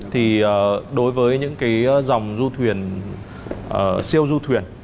thì đối với những cái dòng du thuyền siêu du thuyền